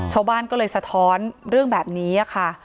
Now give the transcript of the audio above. ชาวบ้านก็เลยสะท้อนเรื่องแบบนี้ค่ะ